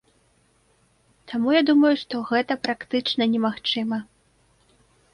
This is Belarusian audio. Таму я думаю, што гэта практычна немагчыма.